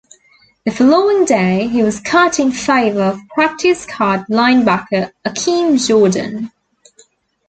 The following day, he was cut in favor of practice squad linebacker Akeem Jordan.